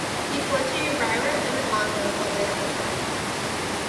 He fled to Uvira in the Congo but later returned.